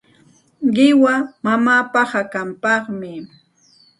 Qiwa mamaapa hakanpaqmi.